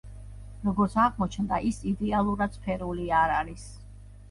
როგორც აღმოჩნდა, ის იდეალურად სფერული არ არის.